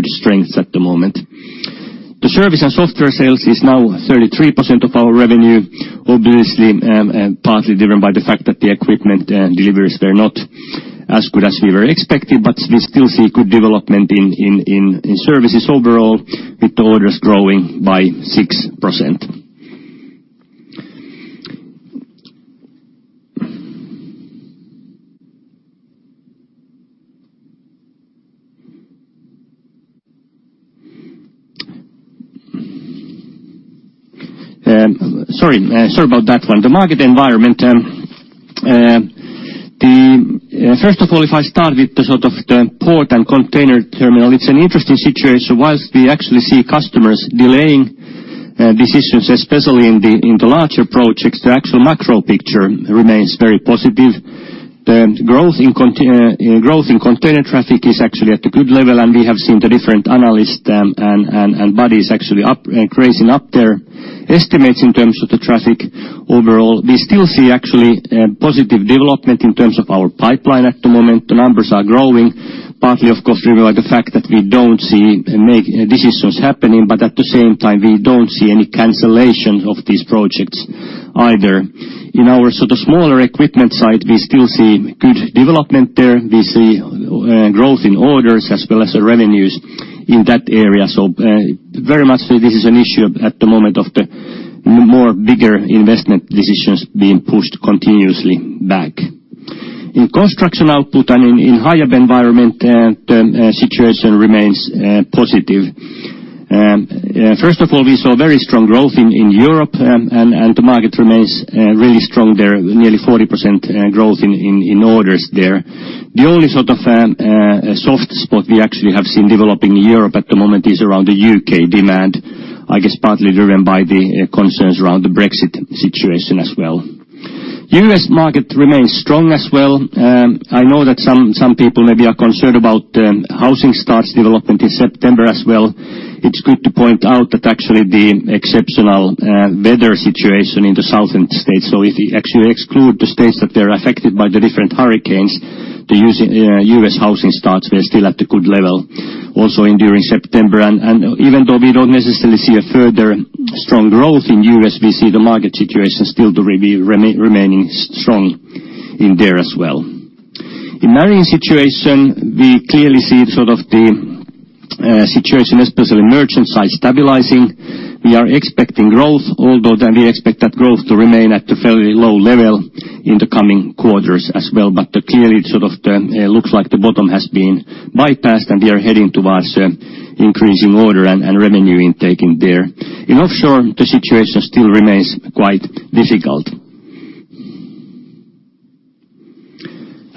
I mean, good strengths at the moment. The service and software sales is now 33% of our revenue, obviously, partly driven by the fact that the equipment and deliveries were not as good as we were expecting. We still see good development in services overall with the orders growing by 6%. Sorry about that one. The market environment, First of all, if I start with the sort of the port and container terminal, it's an interesting situation. Whilst we actually see customers delaying decisions, especially in the larger projects, the actual macro picture remains very positive. The growth in container traffic is actually at a good level, and we have seen the different analysts and bodies actually up, increasing up their estimates in terms of the traffic overall. We still see actually a positive development in terms of our pipeline at the moment. The numbers are growing, partly of course driven by the fact that we don't see decisions happening, but at the same time, we don't see any cancellation of these projects either. In our sort of smaller equipment side, we still see good development there. We see growth in orders as well as the revenues in that area. Very much so this is an issue at the moment of the more bigger investment decisions being pushed continuously back. In construction output and in higher environment, the situation remains positive. First of all, we saw very strong growth in Europe, and the market remains really strong there, nearly 40% growth in orders there. The only sort of soft spot we actually have seen developing in Europe at the moment is around the U.K. demand, I guess partly driven by the concerns around the Brexit situation as well. U.S. market remains strong as well. I know that some people maybe are concerned about housing starts development in September as well. It's good to point out that actually the exceptional weather situation in the southern states. So if you actually exclude the states that they are affected by the different hurricanes, the U.S. housing starts, they're still at a good level also in during September. Even though we don't necessarily see a further strong growth in U.S., we see the market situation still to remain, remaining strong in there as well. In marine situation, we clearly see sort of the situation, especially merchant side stabilizing. We are expecting growth, although we expect that growth to remain at a fairly low level in the coming quarters as well. Clearly, it sort of looks like the bottom has been bypassed, and we are heading towards increasing order and revenue intake in there. In offshore, the situation still remains quite difficult.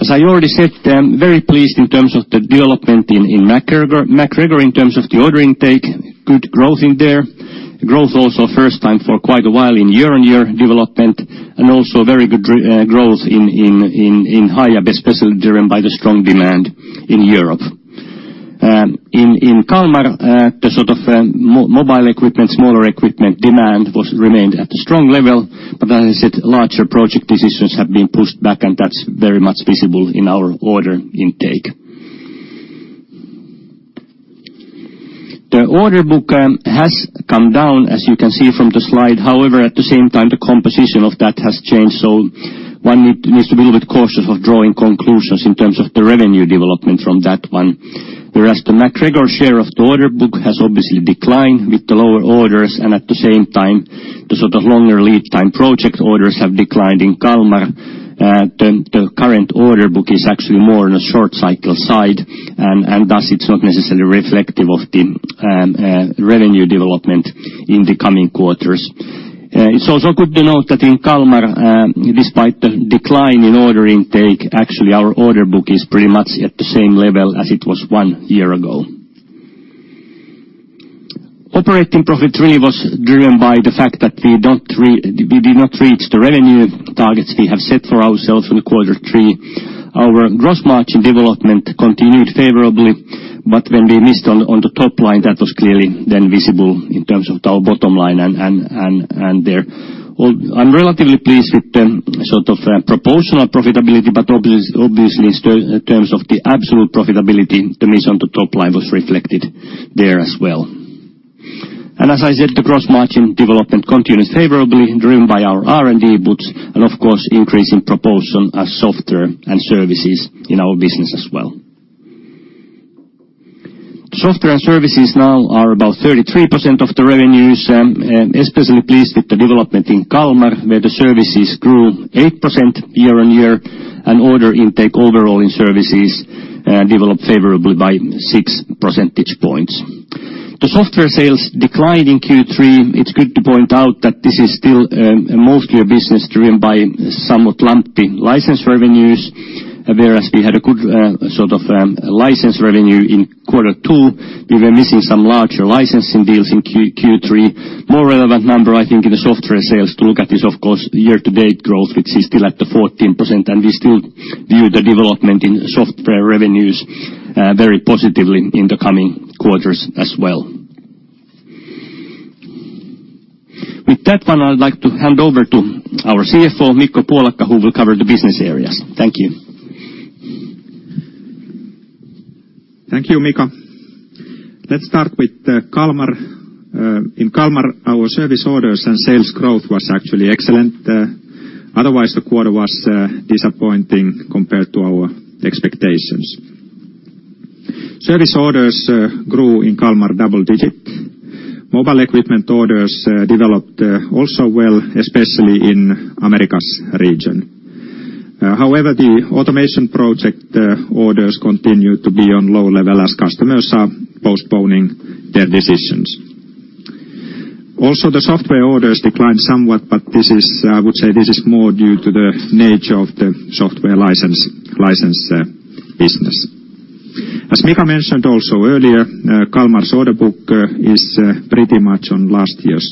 As I already said, I'm very pleased in terms of the development in MacGregor in terms of the order intake, good growth in there. Growth also first time for quite a while in year-on-year development and also very good growth in Hiab, especially driven by the strong demand in Europe. In Kalmar, the sort of mobile equipment, smaller equipment demand was remained at a strong level. As I said, larger project decisions have been pushed back, and that's very much visible in our order intake. The order book has come down, as you can see from the slide. At the same time, the composition of that has changed, so one needs to be a little bit cautious of drawing conclusions in terms of the revenue development from that one. The MacGregor share of the order book has obviously declined with the lower orders, and at the same time, the sort of longer lead time project orders have declined in Kalmar. The current order book is actually more on a short cycle side. Thus it's not necessarily reflective of the revenue development in the coming quarters. It's also good to note that in Kalmar, despite the decline in order intake, actually our order book is pretty much at the same level as it was one year ago. Operating profit really was driven by the fact that we did not reach the revenue targets we have set for ourselves in Q3. Our gross margin development continued favorably, when we missed on the top line, that was clearly then visible in terms of our bottom line and there. Well, I'm relatively pleased with the sort of proportional profitability, but obviously, in terms of the absolute profitability, the miss on the top line was reflected there as well. As I said, the gross margin development continued favorably, driven by our R&D boots and of course, increasing proportion as software and services in our business as well. Software and services now are about 33% of the revenues, especially pleased with the development in Kalmar, where the services grew 8% year-on-year and order intake overall in services, developed favorably by 6 percentage points. The software sales declined in Q3. It's good to point out that this is still mostly a business driven by somewhat lumpy license revenues, whereas we had a good sort of license revenue in Q2, we were missing some larger licensing deals in Q3. More relevant number I think in the software sales to look at is of course the year to date growth, which is still at the 14%, we still view the development in software revenues very positively in the coming quarters as well. With that one, I'd like to hand over to our CFO, Mikko Puolakka, who will cover the business areas. Thank you. Thank you, Mika. Let's start with Kalmar. In Kalmar, our service orders and sales growth was actually excellent. Otherwise, the quarter was disappointing compared to our expectations. Service orders grew in Kalmar double digit. Mobile equipment orders developed also well, especially in Americas region. However, the automation project orders continue to be on low level as customers are postponing their decisions. Also, the software orders declined somewhat, but this is I would say this is more due to the nature of the software license business. As Mika mentioned also earlier, Kalmar's order book is pretty much on last year's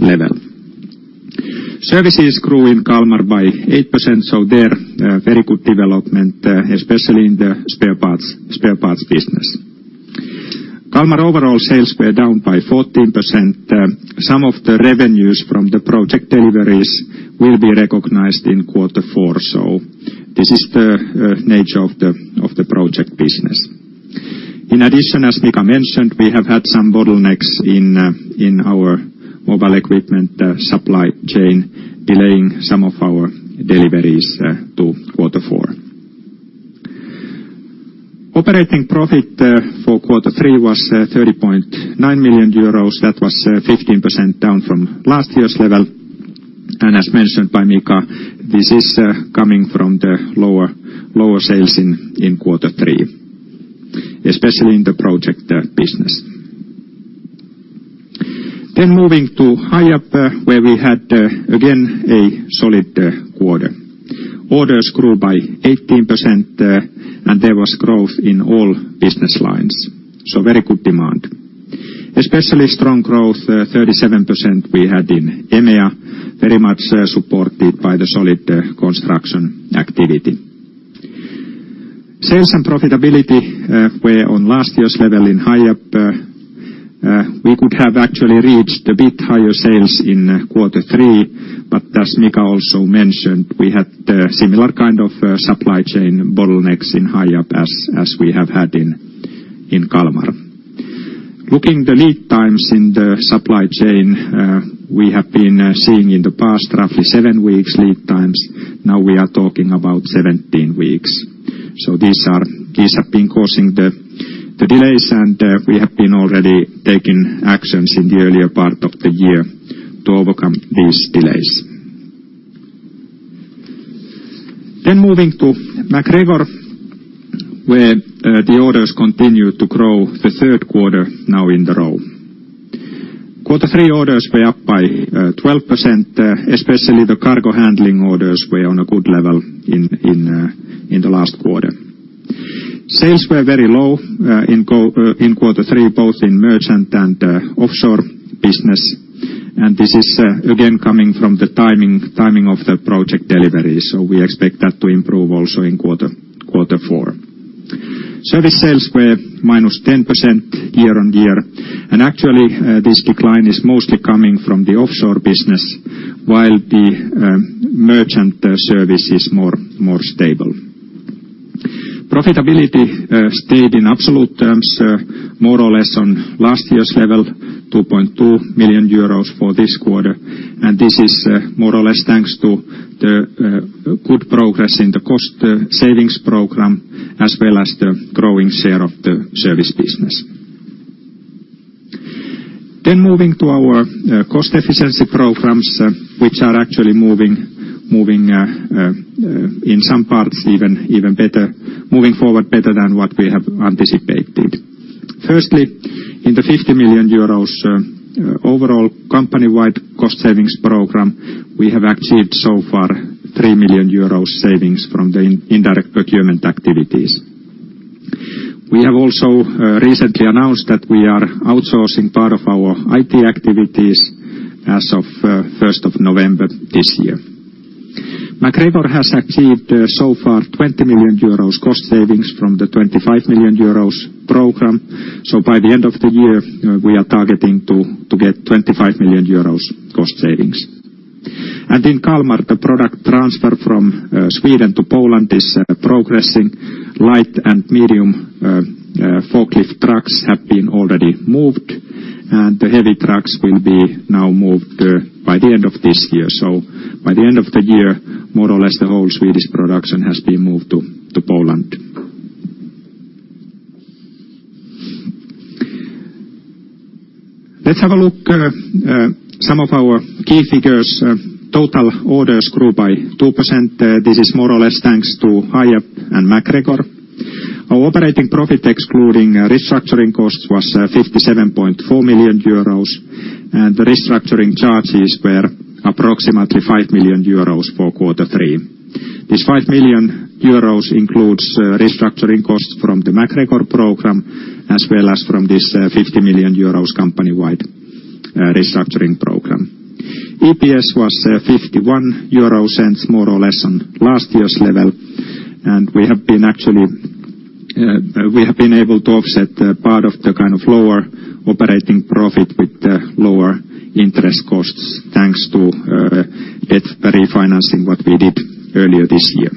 level. Services grew in Kalmar by 8%, there very good development especially in the spare parts business. Kalmar overall sales were down by 14%. Some of the revenues from the project deliveries will be recognized in Q4. This is the nature of the project business. In addition, as Mika mentioned, we have had some bottlenecks in our mobile equipment supply chain, delaying some of our deliveries to Q4. Operating profit for Q3 was 30.9 million euros. That was 15% down from last year's level. As mentioned by Mika, this is coming from the lower sales in Q3, especially in the project business. Moving to Hiab, where we had again a solid quarter. Orders grew by 18%. There was growth in all business lines, very good demand. Especially strong growth, 37% we had in EMEA, very much supported by the solid construction activity. Sales and profitability were on last year's level in Hiab. We could have actually reached a bit higher sales in Q3, but as Mika also mentioned, we had similar kind of supply chain bottlenecks in Hiab as we have had in Kalmar. Looking the lead times in the supply chain, we have been seeing in the past roughly 7 weeks lead times. Now we are talking about 17 weeks. These have been causing the delays, and we have been already taking actions in the earlier part of the year to overcome these delays. Moving to MacGregor, where the orders continue to grow the Q3 now in the row. Q3 orders were up by 12%, especially the cargo handling orders were on a good level in the last quarter. Sales were very low in Q3, both in merchant and offshore business, and this is again, coming from the timing of the project delivery. We expect that to improve also in Q4. Service sales were -10% year-on-year. Actually, this decline is mostly coming from the offshore business, while the merchant service is more stable. Profitability stayed in absolute terms, more or less on last year's level, 2.2 million euros for this quarter. This is more or less thanks to the good progress in the cost savings program, as well as the growing share of the service business. Moving to our cost efficiency programs, which are actually moving in some parts even better, moving forward better than what we have anticipated. Firstly, in the 50 million euros overall company-wide cost savings program, we have achieved so far 3 million euros savings from the indirect procurement activities. We have also recently announced that we are outsourcing part of our IT activities as of 1st of November this year. MacGregor has achieved so far 20 million euros cost savings from the 25 million euros program. By the end of the year, we are targeting to get 25 million euros cost savings. In Kalmar, the product transfer from Sweden to Poland is progressing. Light and medium forklift trucks have been already moved, and the heavy trucks will be now moved by the end of this year. By the end of the year, more or less the whole Swedish production has been moved to Poland. Let's have a look at some of our key figures. Total orders grew by 2%. This is more or less thanks to Hiab and MacGregor. Our operating profit, excluding restructuring costs, was 57.4 million euros, and the restructuring charges were approximately 5 million euros for Q3. This 5 million euros includes restructuring costs from the MacGregor program as well as from this 50 million euros company-wide restructuring program. EPS was 0.51 more or less on last year's level. We have been able to offset the part of the kind of lower operating profit with the lower interest costs, thanks to debt refinancing, what we did earlier this year.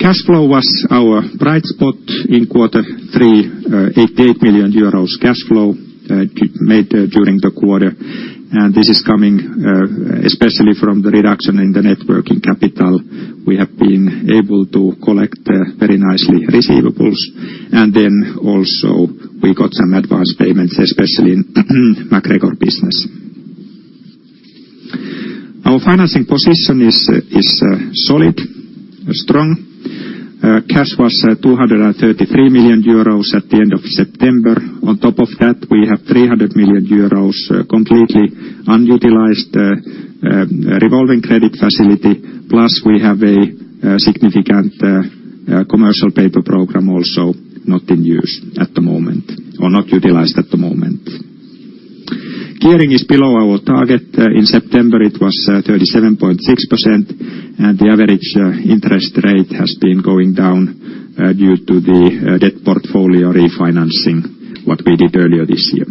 Cash flow was our bright spot in Q3. 88 million euros cash flow made during the quarter. This is coming especially from the reduction in the net working capital. We have been able to collect very nicely receivables. Then also we got some advance payments, especially in MacGregor business. Our financing position is solid, strong. Cash was 233 million euros at the end of September. On top of that, we have 300 million euros completely unutilized revolving credit facility. Plus we have a significant commercial paper program also not in use at the moment or not utilized at the moment. Gearing is below our target. In September, it was 37.6%, and the average interest rate has been going down due to the debt portfolio refinancing, what we did earlier this year.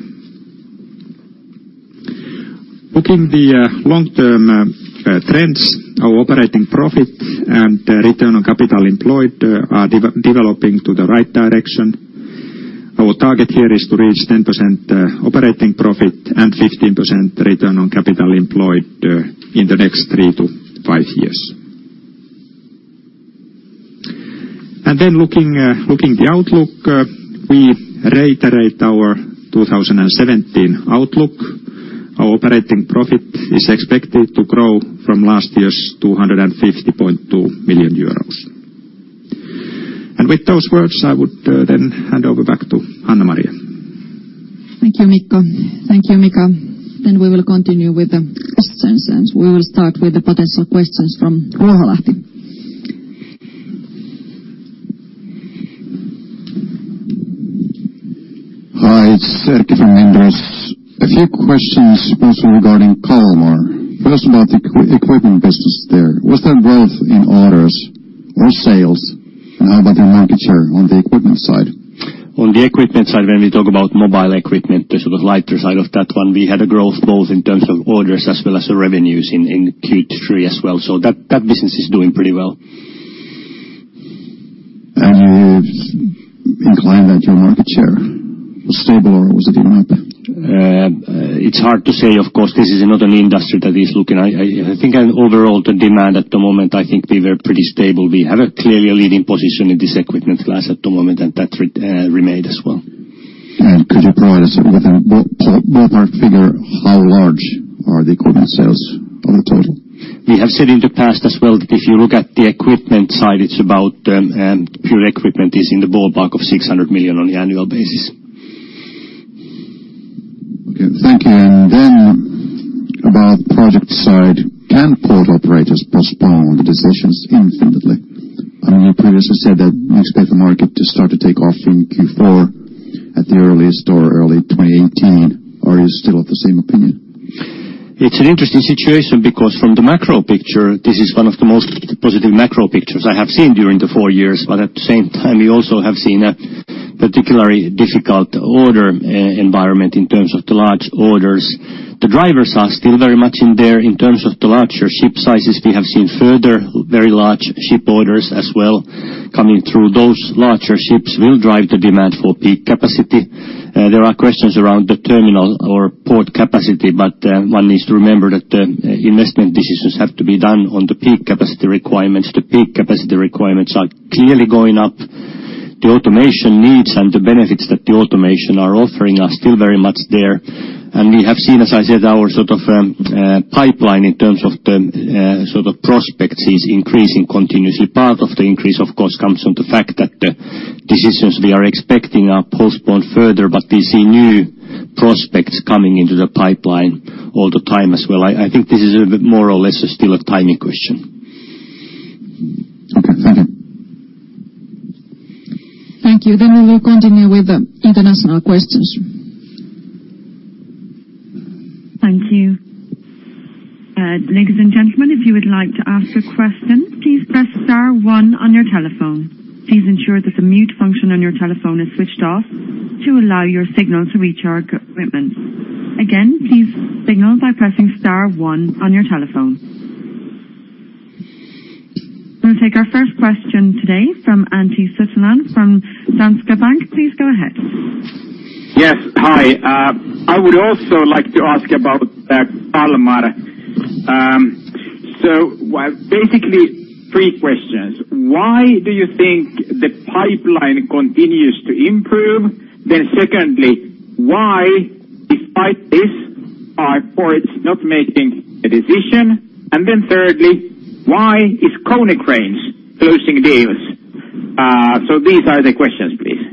Looking the long-term trends, our operating profit and Return on Capital Employed are developing to the right direction. Our target here is to reach 10% operating profit and 15% Return on Capital Employed in the next three to five years. Looking the outlook, we reiterate our 2017 outlook. Our operating profit is expected to grow from last year's 250.2 million euros. With those words, I would then hand over back to Annamaria. Thank you, Mikko. Thank you, Mika. We will continue with the questions. We will start with the potential questions from Ruoholahti. Hi, it's Erkki from Inderes. A few questions mostly regarding Kalmar. First, about the equipment business there. Was there growth in orders or sales? How about your market share on the equipment side? On the equipment side, when we talk about mobile equipment, the sort of lighter side of that one, we had a growth both in terms of orders as well as the revenues in Q3 as well. That business is doing pretty well. You're inclined that your market share was stable, or was it even up? It's hard to say. This is another industry that is looking. I think overall the demand at the moment, I think we were pretty stable. We have a clearly a leading position in this equipment class at the moment, and that remained as well. Could you provide us with a ballpark figure? How large are the equipment sales on the total? We have said in the past as well that if you look at the equipment side, it's about pure equipment is in the ballpark of 600 million on the annual basis. Okay. Thank you. About project side, can port operators postpone the decisions infinitely? You previously said that you expect the market to start to take off in Q4 at the earliest or early 2018. Are you still of the same opinion? It's an interesting situation because from the macro picture, this is one of the most positive macro pictures I have seen during the four years. At the same time, we also have seen a particularly difficult order environment in terms of the large orders. The drivers are still very much in there. In terms of the larger ship sizes, we have seen further very large ship orders as well coming through. Those larger ships will drive the demand for peak capacity. There are questions around the terminal or port capacity, but one needs to remember that investment decisions have to be done on the peak capacity requirements. The peak capacity requirements are clearly going up. The automation needs and the benefits that the automation are offering are still very much there. We have seen, as I said, our sort of pipeline in terms of the sort of prospects is increasing continuously. Part of the increase, of course, comes from the fact that the decisions we are expecting are postponed further, but we see new prospects coming into the pipeline all the time as well. I think this is a bit more or less still a timing question. Okay. Thank you. Thank you. We will continue with the international questions. Thank you. Ladies and gentlemen, if you would like to ask a question, please press star one on your telephone. Please ensure that the mute function on your telephone is switched off to allow your signal to reach our equipment. Please signal by pressing star one on your telephone. We'll take our first question today from Antti Kettune from Danske Bank. Please go ahead. Yes. Hi. I would also like to ask about Kalmar. Basically three questions. Why do you think the pipeline continues to improve? Secondly, why, despite this, are ports not making a decision? Thirdly, why is Konecranes closing deals? These are the questions, please.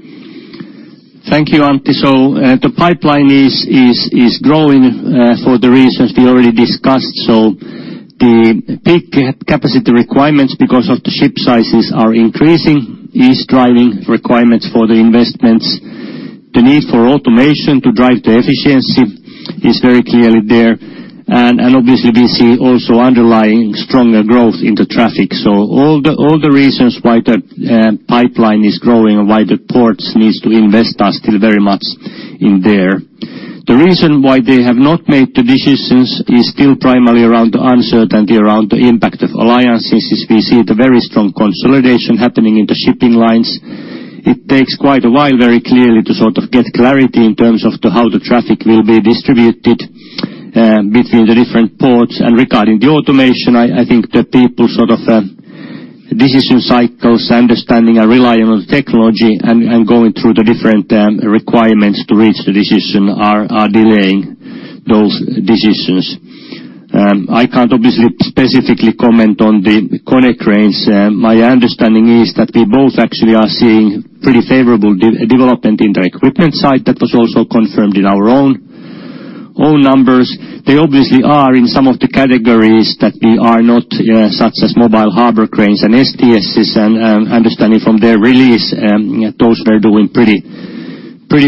Thank you, Antti. The pipeline is growing, for the reasons we already discussed. The peak capacity requirements, because of the ship sizes are increasing, is driving requirements for the investments The need for automation to drive the efficiency is very clearly there. Obviously we see also underlying stronger growth in the traffic. All the reasons why the pipeline is growing and why the ports needs to invest are still very much in there. The reason why they have not made the decisions is still primarily around the uncertainty around the impact of alliances as we see the very strong consolidation happening in the shipping lines. It takes quite a while, very clearly, to sort of get clarity in terms of the how the traffic will be distributed between the different ports. Regarding the automation, I think the people sort of decision cycles understanding and relying on technology and going through the different requirements to reach the decision are delaying those decisions. I can't obviously specifically comment on the Konecranes. My understanding is that they both actually are seeing pretty favorable de-development in their equipment side. That was also confirmed in our own numbers. They obviously are in some of the categories that we are not, such as mobile harbor cranes and STSs. Understanding from their release, those are doing pretty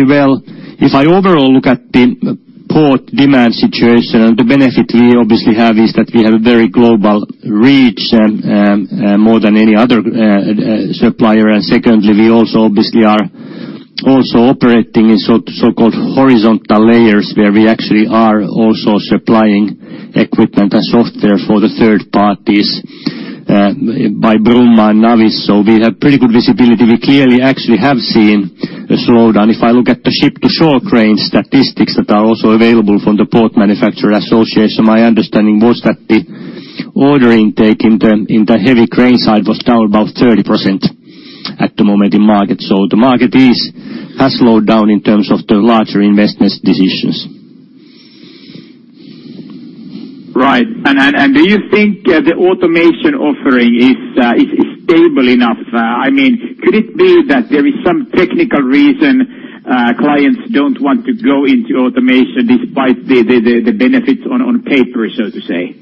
well. If I overall look at the port demand situation, the benefit we obviously have is that we have a very global reach and more than any other supplier. Secondly, we also obviously are also operating in so-called horizontal layers, where we actually are also supplying equipment and software for the third parties, by Bromma and Navis. We have pretty good visibility. We clearly actually have seen a slowdown. I look at the ship-to-shore crane statistics that are also available from the Port Equipment Manufacturers Association, my understanding was that the ordering intake in the heavy crane side was down about 30% at the moment in market. The market has slowed down in terms of the larger investments decisions. Right. Do you think the automation offering is stable enough? I mean, could it be that there is some technical reason clients don't want to go into automation despite the benefits on paper, so to say?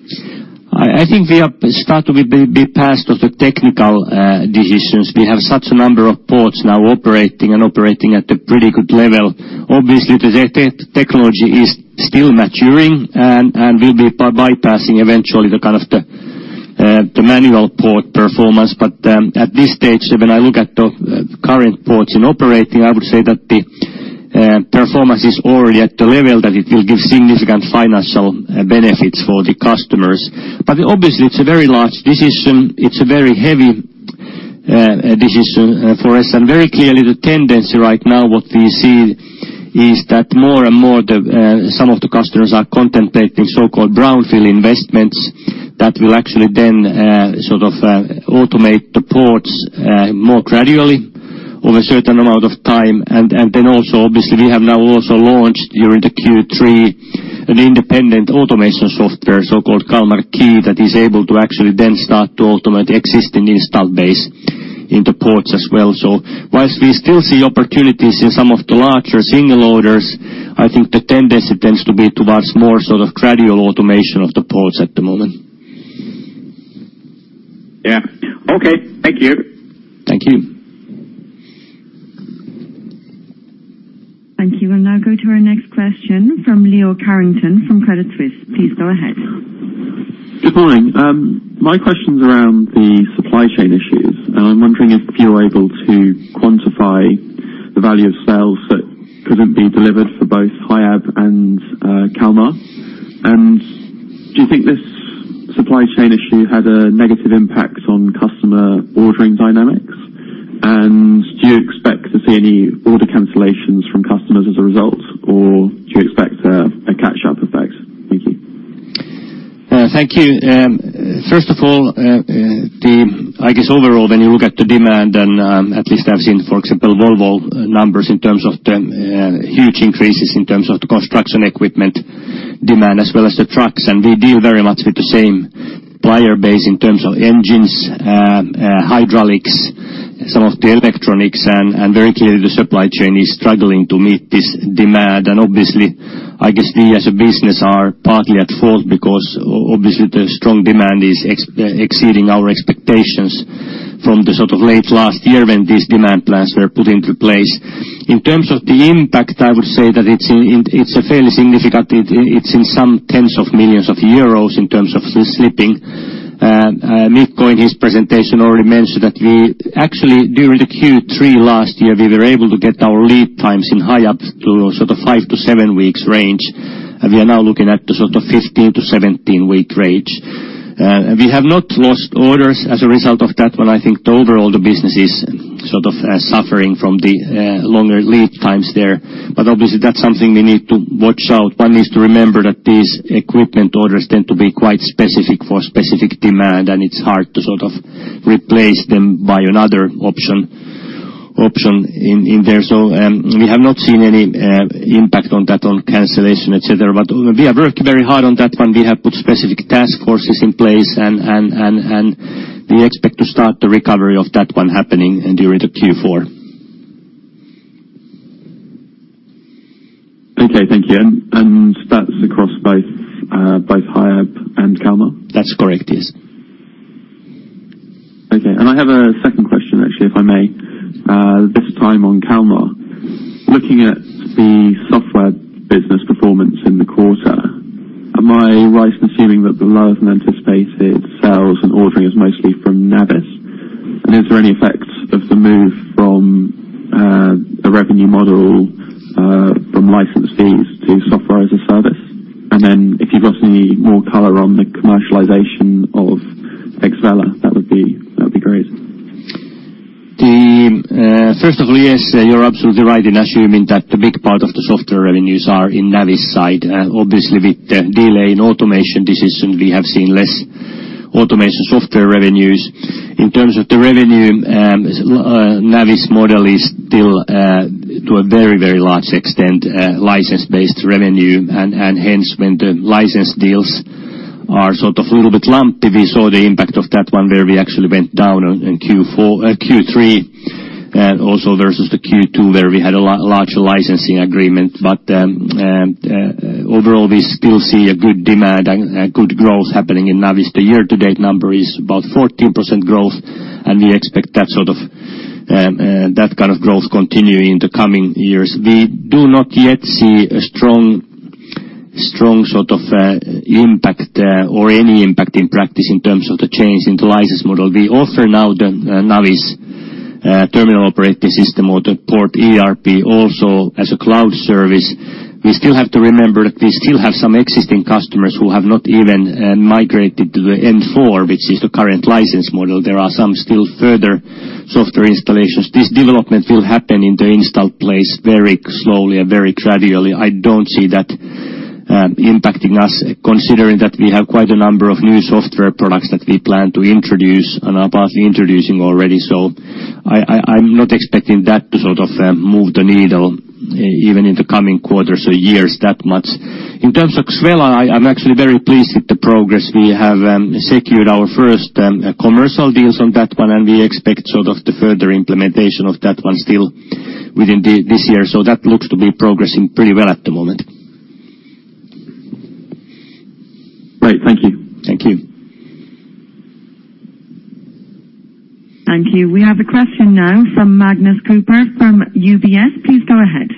I think we are start to be past of the technical decisions. We have such a number of ports now operating and operating at a pretty good level. Obviously, the technology is still maturing and will be bypassing eventually the kind of the manual port performance. At this stage, when I look at the current ports in operating, I would say that the performance is already at the level that it will give significant financial benefits for the customers. Obviously, it's a very large decision. It's a very heavy decision for us. Very clearly the tendency right now what we see is that more and more the some of the customers are contemplating so-called brownfield investments that will actually then sort of automate the ports more gradually over a certain amount of time. Then also, obviously, we have now also launched during the Q3 an independent automation software, so-called Kalmar Key, that is able to actually then start to automate existing installed base in the ports as well. Whilst we still see opportunities in some of the larger single orders, I think the tendency tends to be towards more sort of gradual automation of the ports at the moment. Yeah. Okay. Thank you. Thank you. Thank you. I'll now go to our next question from Leo Carrington from Credit Suisse. Please go ahead. Good morning. My question's around the supply chain issues. I'm wondering if you're able to quantify the value of sales that couldn't be delivered for both Hiab and Kalmar. Do you think this supply chain issue had a negative impact on customer ordering dynamics? Do you expect to see any order cancellations from customers as a result, or do you expect a catch-up effect? Thank you. Thank you. First of all, I guess overall, when you look at the demand, at least I've seen, for example, Volvo numbers in terms of the huge increases in terms of the construction equipment demand, as well as the trucks. We deal very much with the same supplier base in terms of engines, hydraulics, some of the electronics. Very clearly, the supply chain is struggling to meet this demand. Obviously, I guess we as a business are partly at fault because obviously the strong demand is exceeding our expectations from the sort of late last year when these demand plans were put into place. In terms of the impact, I would say that it's a fairly significant, it's in some tens of millions of EUR in terms of the slipping. Mikko in his presentation already mentioned that we actually, during the Q3 last year, we were able to get our lead times in Hiab to a sort of 5 to 7 weeks range. We are now looking at the sort of 15 to 17 week range. We have not lost orders as a result of that one. I think the overall the business is sort of suffering from the longer lead times there. Obviously, that's something we need to watch out. One needs to remember that these equipment orders tend to be quite specific for specific demand, and it's hard to sort of replace them by another option in there. We have not seen any impact on that, on cancellation, et cetera. We have worked very hard on that one. We have put specific task forces in place and we expect to start the recovery of that one happening during the Q4. Okay, thank you. That's across both Hiab and Kalmar? That's correct, yes. I have a second question actually, if I may, this time on Kalmar. Looking at the software business performance in the quarter, am I right assuming that the lower than anticipated sales and ordering is mostly from Navis? Is there any effect of the move from the revenue model from license fees to Software as a Service? If you've got any more color on the commercialization of XVELA, that would be, that would be great. First of all, yes, you're absolutely right in assuming that the big part of the software revenues are in Navis side. Obviously, with the delay in automation decision, we have seen less automation software revenues. In terms of the revenue, Navis model is still to a very, very large extent, license-based revenue and hence when the license deals are sort of a little bit lumpy, we saw the impact of that one where we actually went down in Q3, also versus the Q2 where we had a large licensing agreement. Overall, we still see a good demand and good growth happening in Navis. The year-to-date number is about 14% growth, and we expect that sort of that kind of growth continuing in the coming years. We do not yet see a strong sort of impact or any impact in practice in terms of the change in the license model. We offer now the Navis terminal operating system or the port ERP also as a cloud service. We still have to remember that we still have some existing customers who have not even migrated to the N4, which is the current license model. There are some still further software installations. This development will happen in the installed place very slowly and very gradually. I don't see that impacting us considering that we have quite a number of new software products that we plan to introduce and are partly introducing already. I'm not expecting that to sort of move the needle even in the coming quarters or years that much. In terms of XVELA, I'm actually very pleased with the progress. We have secured our first commercial deals on that one, and we expect sort of the further implementation of that one still within this year. That looks to be progressing pretty well at the moment. Great. Thank you. Thank you. Thank you. We have a question now from Magnus Kruber from UBS. Please go ahead.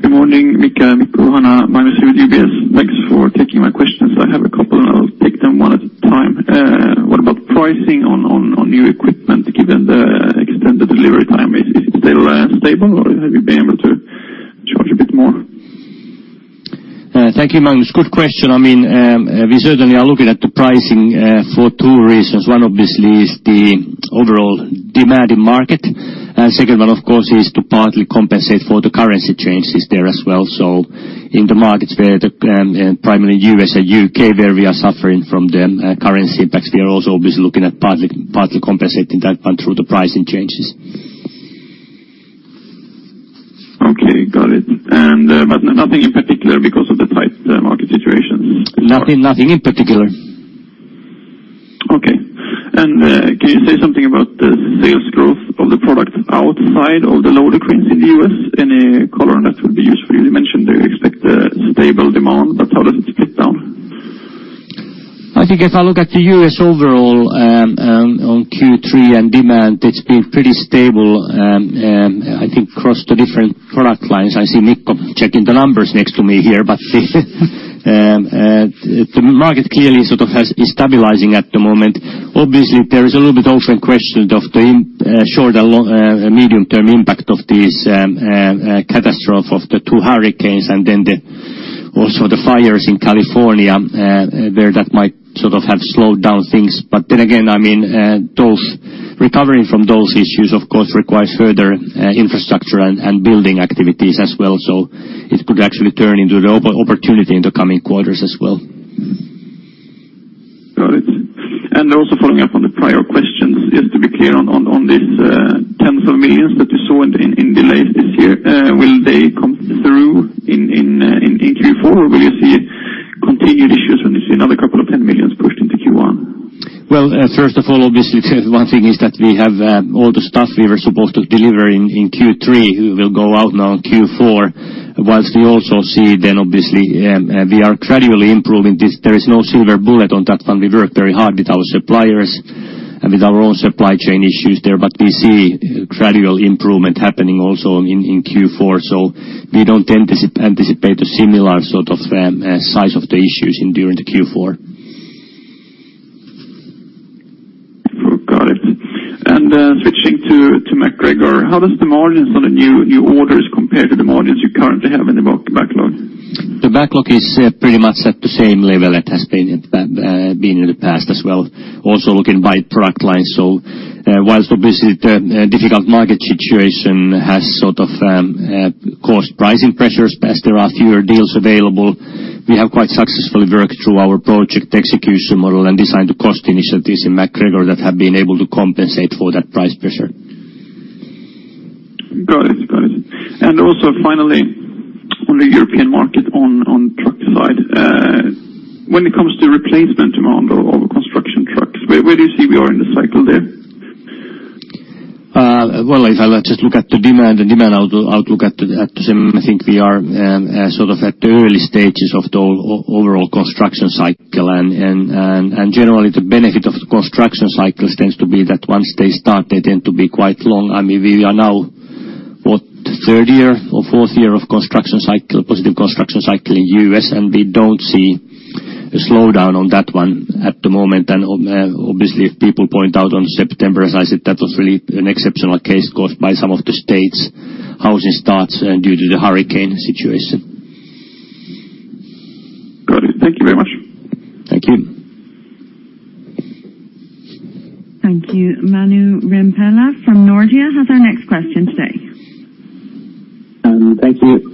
Good morning, Mika, Mikko, Hanna. Magnus with UBS. Thanks for taking my questions. I have a couple. I'll take them one at a time. What about pricing on new equipment given the extended delivery time? Is it still stable or have you been able to charge a bit more? Thank you, Magnus. Good question. I mean, we certainly are looking at the pricing for two reasons. One obviously is the overall demand in market. Second one, of course, is to partly compensate for the currency changes there as well. In the markets where the primarily U.S. and U.K., where we are suffering from the currency impacts, we are also obviously looking at partly compensating that 1 through the pricing changes. Okay. Got it. Nothing in particular because of the tight market situation so far? Nothing, nothing in particular. Okay. Can you say something about the sales growth of the products outside of the low decrease in the U.S.? Any color on that would be useful. You mentioned that you expect a stable demand, but how does it split down? I think if I look at the U.S. overall, on Q3 and demand, it's been pretty stable, I think across the different product lines. I see Mikko checking the numbers next to me here. The market clearly sort of is stabilizing at the moment. Obviously, there is a little bit open question of the short and long medium-term impact of this catastrophe of the 2 hurricanes and then the also the fires in California, where that might sort of have slowed down things. I mean, those, recovering from those issues of course requires further infrastructure and building activities as well. It could actually turn into an opportunity in the coming quarters as well. Got it. Following up on the prior questions, just to be clear on this, EUR tens of millions that you saw in delays this year, will they come through in Q4 or will you see continued issues when you see another couple of 10 million pushed into Q1? Well, first of all, obviously, one thing is that we have, all the stuff we were supposed to deliver in Q3 will go out now in Q4. We also see then obviously, we are gradually improving this. There is no silver bullet on that one. We work very hard with our suppliers and with our own supply chain issues there. We see gradual improvement happening also in Q4. We don't anticipate a similar sort of, size of the issues in during the Q4. Got it. Switching to MacGregor, how does the margins on the new orders compare to the margins you currently have in the backlog? The backlog is pretty much at the same level it has been in the past as well, also looking by product line. Whilst obviously the difficult market situation has sort of caused pricing pressures as there are fewer deals available, we have quite successfully worked through our project execution model and designed the cost initiatives in MacGregor that have been able to compensate for that price pressure. Got it. Got it. Also finally, on the European market on truck side, when it comes to replacement demand of construction trucks, where do you see we are in the cycle there? Well, if I just look at the demand, the demand outlook at the same, I think we are sort of at the early stages of the overall construction cycle. Generally the benefit of the construction cycle tends to be that once they start, they tend to be quite long. I mean, we are now what, third year or fourth year of construction cycle, positive construction cycle in U.S., and we don't see a slowdown on that one at the moment. Obviously, if people point out on September, as I said, that was really an exceptional case caused by some of the states' housing starts due to the hurricane situation. Got it. Thank you very much. Thank you. Thank you. Manu Rimpelä from Nordea has our next question today. Thank you.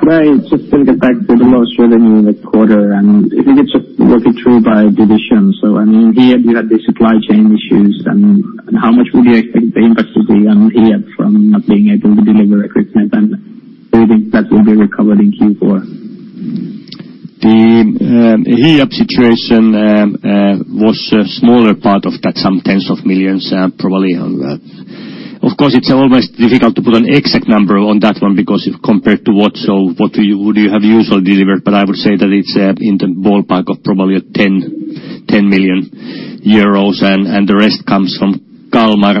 Could I just go back to the low showing in the quarter, and if you could just walk it through by division? I mean, here you had the supply chain issues, and how much would you expect the impact to be on here from not being able to deliver equipment, and do you think that will be recovered in Q4? The heat-up situation was a smaller part of that, some tens of millions EUR probably on that. It's always difficult to put an exact number on that one because if compared to what, would you have usually delivered? I would say that it's in the ballpark of probably 10 million euros and the rest comes from Kalmar.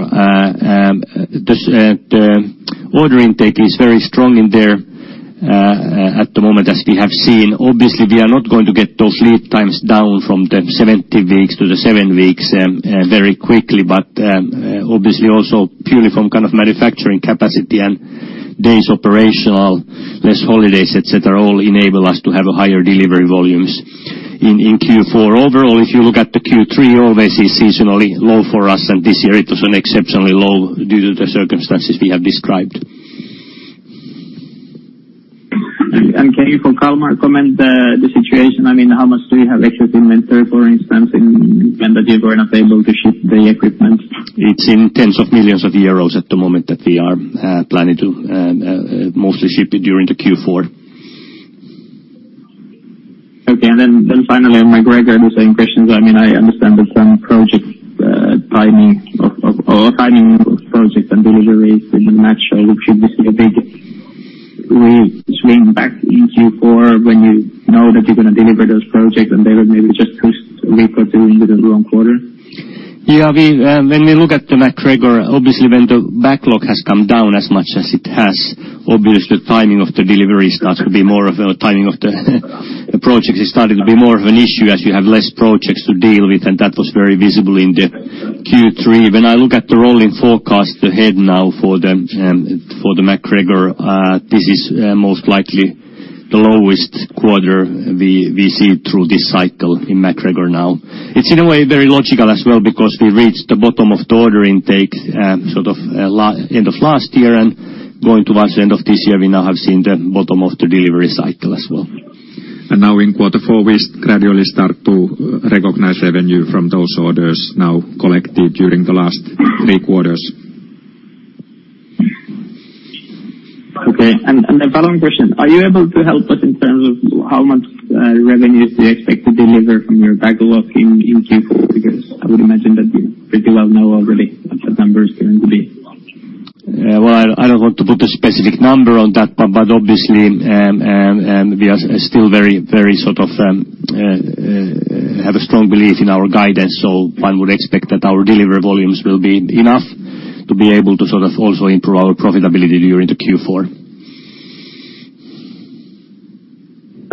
The order intake is very strong in there at the moment, as we have seen. We are not going to get those lead times down from the 70 weeks to the 7 weeks very quickly. Obviously also purely from kind of manufacturing capacity and days operational, less holidays, et cetera, all enable us to have higher delivery volumes in Q4. Overall, if you look at the Q3, always it's seasonally low for us, and this year it was an exceptionally low due to the circumstances we have described. Can you for Kalmar comment the situation? I mean, how much do you have extra inventory, for instance, when that you were not able to ship the equipment? It's in tens of millions of EUR at the moment that we are planning to mostly ship it during the Q4. Okay. Then finally on MacGregor, the same question. I mean, I understand that some projects, timing of projects and deliveries didn't match. Should we see a big re-swing back in Q4 when you know that you're gonna deliver those projects and then maybe just push a bit for doing a bit of long quarter? Yeah, we, when we look at the MacGregor, obviously, when the backlog has come down as much as it has, obviously, the timing of the delivery starts to be more of a timing of the projects. It's starting to be more of an issue as you have less projects to deal with, and that was very visible in the Q3. When I look at the rolling forecast ahead now for the, for the MacGregor, this is most likely the lowest quarter we see through this cycle in MacGregor now. It's in a way very logical as well because we reached the bottom of the order intake, sort of end of last year. Going towards the end of this year, we now have seen the bottom of the delivery cycle as well. Now in Q4, we gradually start to recognize revenue from those orders now collected during the last three quarters. Okay. The following question: Are you able to help us in terms of how much revenues do you expect to deliver from your backlog in Q4? I would imagine that you pretty well know already what the numbers are going to be. Yeah. Well, I don't want to put a specific number on that, but obviously, we are still very, very sort of, have a strong belief in our guidance. One would expect that our delivery volumes will be enough to be able to sort of also improve our profitability during the Q4.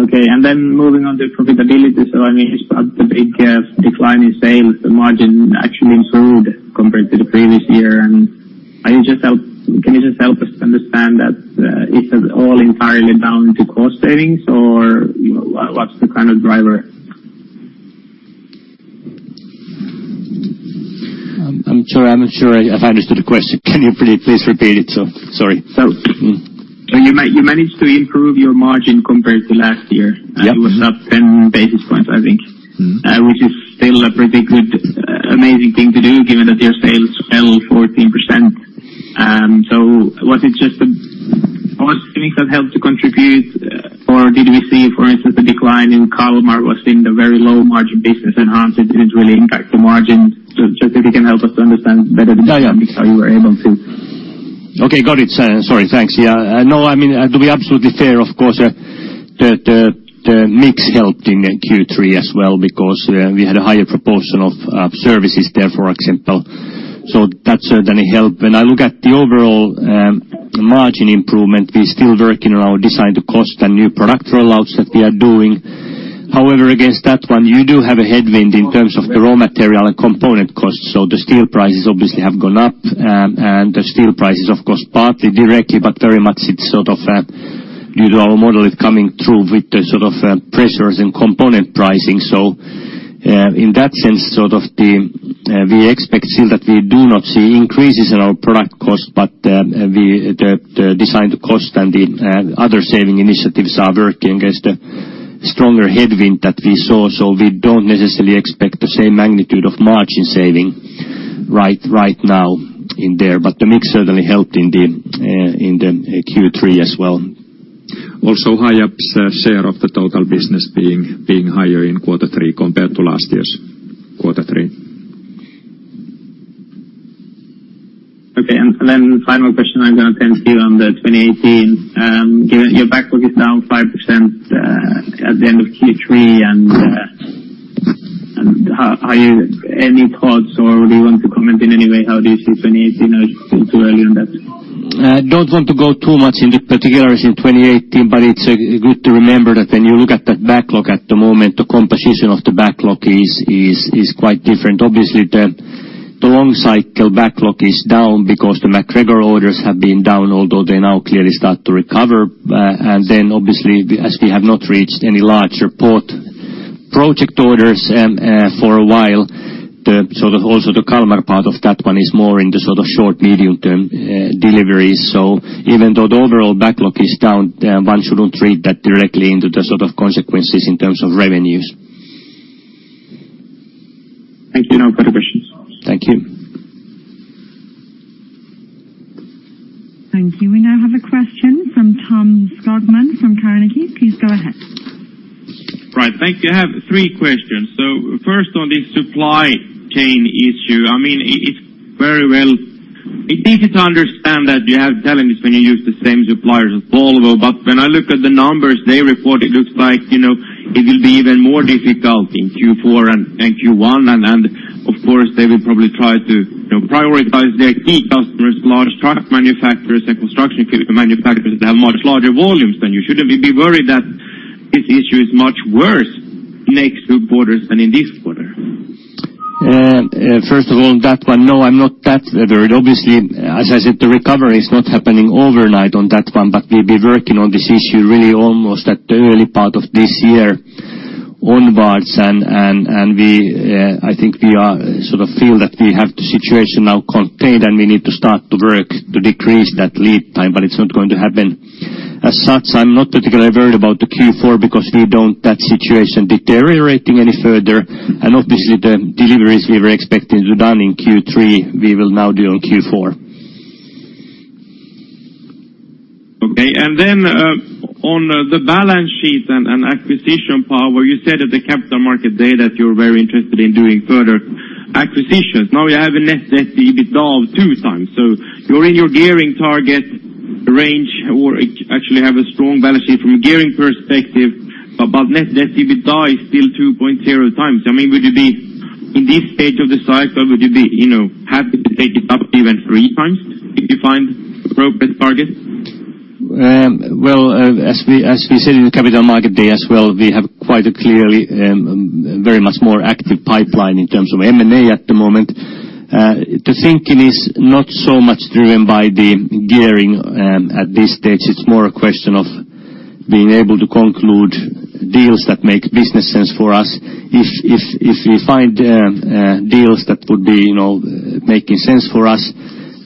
Okay. Moving on to profitability. I mean, in spite of the big decline in sales, the margin actually improved compared to the previous year. Can you just help us understand that, is it all entirely down to cost savings or, you know, what's the kind of driver? I'm sorry, I'm not sure I've understood the question. Can you please repeat it? Sorry. So- Mm-hmm. You managed to improve your margin compared to last year. Yep. It was up 10 basis points, I think. Mm-hmm. Which is still a pretty good, amazing thing to do given that your sales fell 14%. Was it just the cost savings that helped to contribute, or did we see, for instance, the decline in Kalmar was in the very low margin business and hence it didn't really impact the margin? Just if you can help us to understand better the dynamics... Yeah, yeah. how you were able to. Okay, got it. Sorry. Thanks. Yeah. No, I mean, to be absolutely fair, of course, the mix helped in Q3 as well because we had a higher proportion of services there, for example. That certainly helped. When I look at the overall margin improvement, we're still working on our Design-to-Cost and new product rollouts that we are doing. However, against that one, you do have a headwind in terms of the raw material and component costs. The steel prices obviously have gone up, and the steel prices, of course, partly directly, but very much it's sort of due to our model, it coming through with the sort of pressures in component pricing. In that sense, sort of the, we expect still that we do not see increases in our product cost, the Design-to-Cost and the other saving initiatives are working against the stronger headwind that we saw. We don't necessarily expect the same magnitude of margin saving right now in there. The mix certainly helped in the Q3 as well. Also Hiab share of the total business being higher in Q3 compared to last year's Q3. Okay. Final question I'm gonna turn to you on the 2018. Given your backlog is down 5% at the end of Q3, any thoughts or do you want to comment in any way how do you see 2018 or it's still too early on that? Don't want to go too much into particulars in 2018, it's good to remember that when you look at that backlog at the moment, the composition of the backlog is quite different. Obviously, the long cycle backlog is down because the MacGregor orders have been down, although they now clearly start to recover. Obviously, as we have not reached any larger port project orders for a while, the sort of also the Kalmar part of that one is more in the sort of short, medium-term deliveries. Even though the overall backlog is down, one shouldn't read that directly into the sort of consequences in terms of revenues. Thank you. No further questions. Thank you. Thank you. We now have a question from Tom Skogman from Carnegie. Please go ahead. Right. Thank you. I have three questions. First on the supply chain issue, I mean, it's easy to understand that you have challenges when you use the same suppliers as Volvo. When I look at the numbers they report, it looks like, you know, it will be even more difficult in Q4 and Q1. Then, of course, they will probably try to, you know, prioritize their key customers, large truck manufacturers and construction equipment manufacturers that have much larger volumes than you. Shouldn't we be worried that this issue is much worse next quarters than in this quarter? First of all, that one, no, I'm not that worried. Obviously, as I said, the recovery is not happening overnight on that one. We've been working on this issue really almost at the early part of this year onwards. I think we are sort of feel that we have the situation now contained, and we need to start to work to decrease that lead time. It's not going to happen as such. I'm not particularly worried about the Q4 because we don't that situation deteriorating any further. Obviously the deliveries we were expecting to be done in Q3, we will now do in Q4. Okay. Then on the balance sheet and acquisition power, you said at the capital market day that you're very interested in doing further acquisitions. Now you have a net debt to EBITDA of two times. You're in your Gearing target range or actually have a strong balance sheet from a Gearing perspective, but net debt to EBITDA is still 2.0 times. I mean, would you be in this stage of the cycle, would you be, you know, happy to take it up even three times if you find appropriate target? Well, as we said in the capital market day as well, we have quite a clearly very much more active pipeline in terms of M&A at the moment. The thinking is not so much driven by the gearing at this stage. It's more a question of being able to conclude deals that make business sense for us. If we find deals that would be, you know, making sense for us,